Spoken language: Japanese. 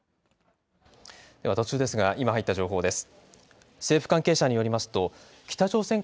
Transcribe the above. では途中ですが今入った情報です。